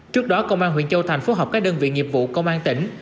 trước đó công an huyện châu thành phối hợp các đơn vị nghiệp vụ công an tỉnh